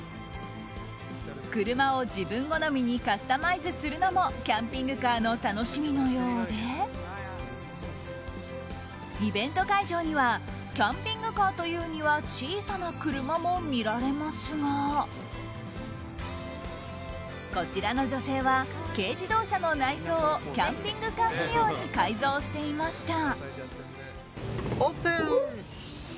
車を自分好みにカスタマイズするのもキャンピングカーの楽しみのようでイベント会場にはキャンピングカーというには小さな車も見られますがこちらの女性は軽自動車の内装をキャンピングカー仕様に改造していました。